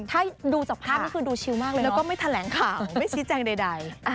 ถ้าดูจากภาพนี่คือดูชิวมากเลยแล้วก็ไม่แถลงข่าวไม่ชี้แจงใด